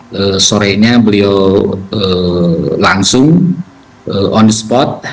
pada sore beliau langsung on the spot